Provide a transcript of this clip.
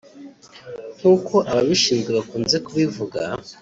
nk’uko ababishinzwe bakunze kubivuga